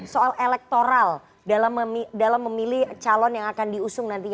soal elektoral dalam memilih calon yang akan diusung nanti